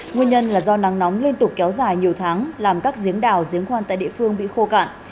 nguyên nhân là do nắng nóng liên tục kéo dài nhiều tháng làm các giếng đào giếng khoan tại địa phương bị khô cạn